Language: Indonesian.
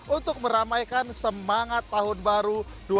untuk meramaikan semangat tahun baru dua ribu dua puluh